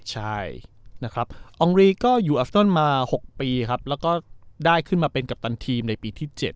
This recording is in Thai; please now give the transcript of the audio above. ใช่นะครับอองรีก็อยู่อัฟต้นมา๖ปีครับแล้วก็ได้ขึ้นมาเป็นกัปตันทีมในปีที่๗